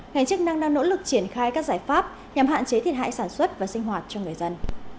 ngành chức năng đang nỗ lực triển khai các giải pháp nhằm hạn chế thiệt hại sản xuất và sinh hoạt cho người dân